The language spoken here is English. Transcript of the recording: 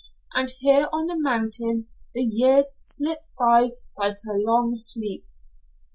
And here on the mountain the years slip by like a long sleep."